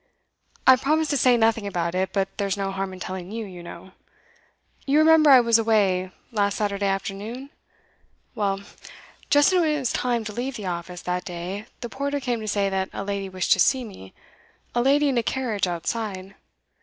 'I promised to say nothing about it, but there's no harm in telling you, you know. You remember I was away last Saturday afternoon? Well, just when it was time to leave the office, that day, the porter came to say that a lady wished to see me a lady in a carriage outside.